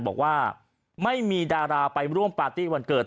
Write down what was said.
บอกว่าไม่มีดาราไปร่วมปาร์ตี้วันเกิด